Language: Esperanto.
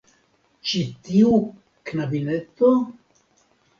Ĉi tiu knabineto?